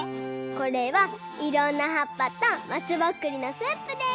これはいろんなはっぱとまつぼっくりのスープです。